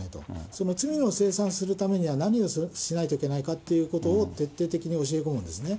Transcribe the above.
その罪の清算するためには何をしないといけないかっていうことを徹底的に教え込むんですね。